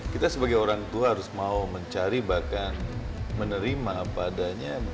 kita sebagai orang tua harus mau mencari bahkan menerima apa adanya